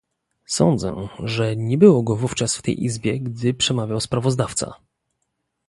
Sądzę, że nie było go wówczas w tej Izbie, gdy przemawiał sprawozdawca